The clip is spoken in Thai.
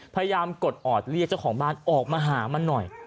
กดออดเรียกเจ้าของบ้านออกมาหามันหน่อย